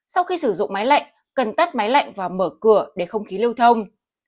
sau khi sử dụng máy lạnh cần tắt máy lạnh và mở cửa để không khí lưu thông